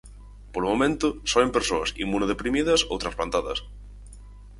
Polo momento, só en persoas inmunodeprimidas ou transplantadas.